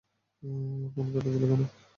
Phone কেটে দিল কেন?